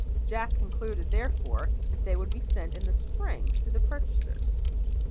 Jack concluded, therefore, that they would be sent in the spring to the purchasers.